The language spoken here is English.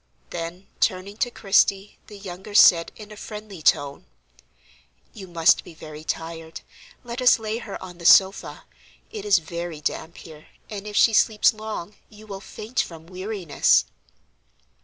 Then, turning to Christie, the younger said, in a friendly tone: "You must be very tired; let us lay her on the sofa. It is very damp here, and if she sleeps long you will faint from weariness."